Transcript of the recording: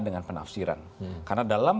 dengan penafsiran karena dalam